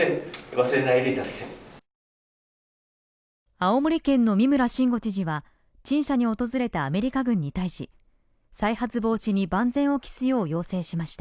青森県の三村申吾知事は陳謝に訪れたアメリカ軍に対し、再発防止に万全を期すよう要請しました。